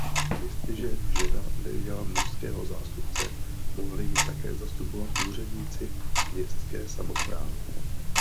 Jestliže žena neměla mužského zástupce mohli ji také zastupovat úředníci městské samosprávy.